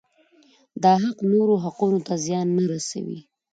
دا حق نورو حقوقو ته زیان نه رسوي.